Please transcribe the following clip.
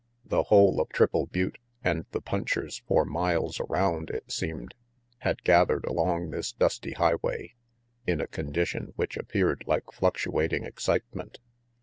The whole of Triple Butte, and the punchers for miles around, it seemed, had gathered along this dusty highway, in a condition which appeared like fluctuating excitement.